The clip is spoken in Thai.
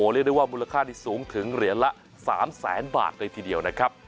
เรียกได้ว่ามูลค่านี้สูงถึงเหรียญละ๓แสนบาทเลยทีเดียวนะครับ